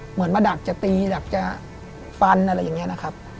เหมือนมาดักจะตีดักจะฟันอะไรอย่างนี้นะครับ